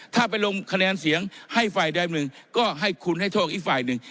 ถ้าไปลงคะแนนเสียงให้ฝ่ายแดงหนึ่งก็ให้คุณให้โชคอีกฝ่ายหนึ่ง